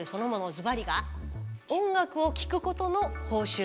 ズバリが「音楽を聴くことの報酬」。